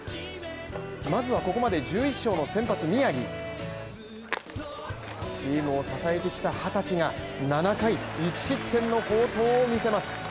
まずはここまで１１勝の先発宮城チームを支えてきた２０歳が７回１失点の好投を見せます。